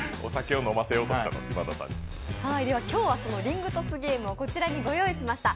今日はリングトスゲームをこちらにご用意しました。